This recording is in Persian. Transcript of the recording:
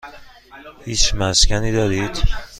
هیچ مسکنی دارید؟